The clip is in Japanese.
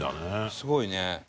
すごいね。